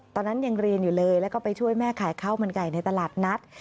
ตอนนั้นยังเรียนอยู่เลยแล้วก็ไปช่วยแม่ขายข้าวมันไก่ในตลาดนัด